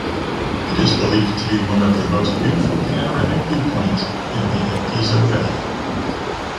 It is believed to be one of the most beautiful panoramic viewpoint in the Ampezzo valley.